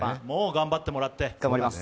もう頑張ってもらって。